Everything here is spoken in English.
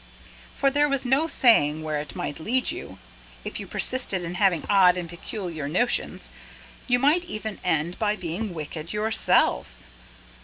For there was no saying where it might lead you, if you persisted in having odd and peculiar notions; you might even end by being wicked yourself.